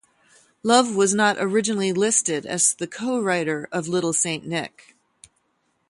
Love was not originally listed as the co-writer of "Little Saint Nick".